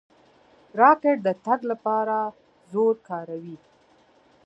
راکټ د تګ لپاره زور کاروي.